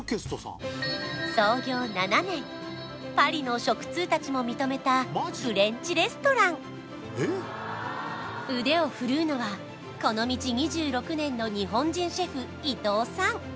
創業７年パリの食通たちも認めたフレンチレストラン腕を振るうのはこの道２６年の日本人シェフ伊藤さん